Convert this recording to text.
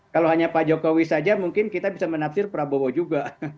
kalau hanya pak jokowi saja mungkin kita bisa menafsir prabowo juga